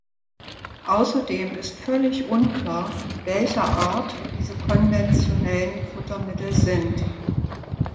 Außerdem ist völlig unklar, welcher Art diese konventionellen Futtermittel sind.